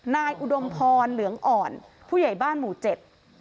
อุดมพรเหลืองอ่อนผู้ใหญ่บ้านหมู่เจ็ด